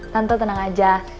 tante tenang aja